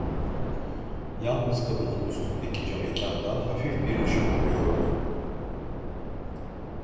Yalnız kapının üstündeki camekândan hafif bir ışık vuruyordu.